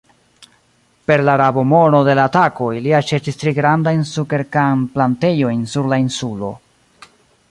Per la rabo-mono de la atakoj li aĉetis tri grandajn sukerkan-plantejojn sur la insulo.